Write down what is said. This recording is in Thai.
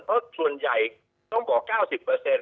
เพราะส่วนใหญ่ต้องบอก๙๐